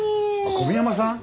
小宮山さん？